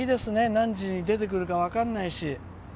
何時に出てくるか分からないし。